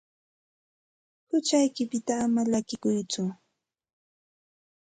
Huchaykipita ama llakikuytsu.